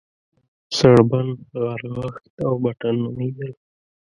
سړبن، غرغښت او بټن نومېدل.